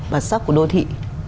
bản sắc của đô thị